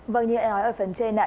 vâng như đã nói ở phần trên